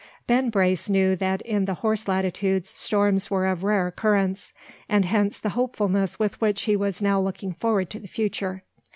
Ben Brace knew that in the Horse Latitudes storms were of rare occurrence; and hence the hopefulness with which he was now looking forward to the future.